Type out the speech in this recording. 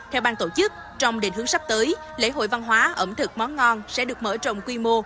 theo bang tổ chức trong định hướng sắp tới lễ hội văn hóa ẩm thực món ngon sẽ được mở rộng quy mô